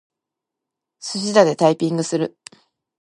すしだでタイピングする。